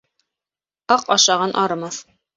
Аҡ ашаған арымаҫ.